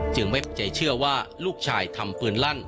ไม่ปักใจเชื่อว่าลูกชายทำปืนลั่น